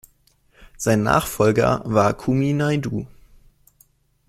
Sein Nachfolger war Kumi Naidoo.